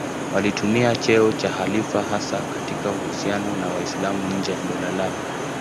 Walitumia cheo cha khalifa hasa katika uhusiano na Waislamu nje ya dola lao.